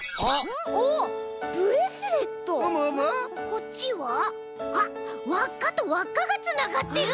こっちはあっわっかとわっかがつながってる！